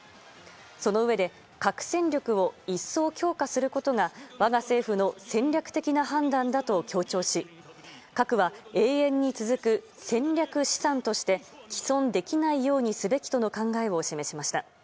そのうえで核戦力を一層強化することが我が政府の戦略的判断だと強調し核は永遠に続く戦略資産として毀損できないようにすべきとの考えを示しました。